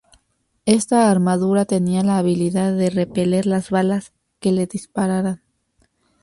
Esta armadura tenía la habilidad de repeler las balas que le dispararan.